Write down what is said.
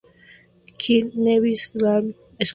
Kitts-Nevis Grammar School.